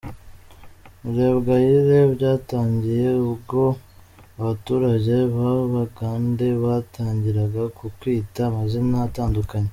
Murebwayire : Byatangiye ubwo abaturage b’Abagande batangiraga kutwita amazina atandukanye.